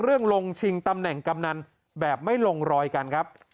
ลงชิงตำแหน่งกำนันแบบไม่ลงรอยกันครับ